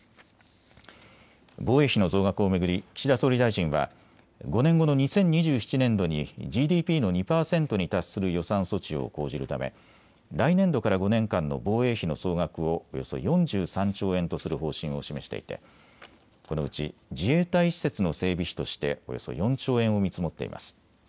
防衛費の増額を巡り岸田総理大臣は５年後の２０２７年度にＧＤＰの２％に達する予算措置を講じるため来年度から５年間の防衛費の総額をおよそ４３兆円とする方針を示していてこのうち自衛隊施設の整備費として、およそ４兆円を見積もっています。